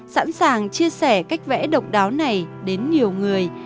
sẵn sàng chia sẻ cách vẽ độc đáo này đến nhiều người